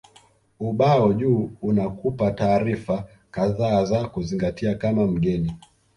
Ubao juu unakupa taarifa kadhaa za kuzingatia kama mgeni